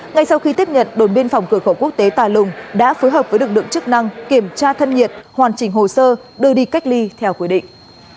ngay sau khi tiếp nhận đồn biên phòng cửa khẩu quốc tế tà lùng đã phối hợp với lực lượng chức năng kiểm tra thân nhiệt hoàn chỉnh hồ sơ đưa đi cách ly theo quy định